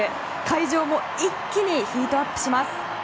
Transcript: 会場も一気にヒートアップします。